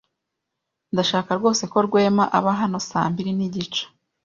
Ndashaka rwose ko Rwema aba hano saa mbiri nigice.